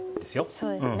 そうですね。